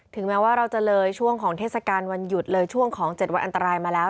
แม้ว่าเราจะเลยช่วงของเทศกาลวันหยุดเลยช่วงของ๗วันอันตรายมาแล้ว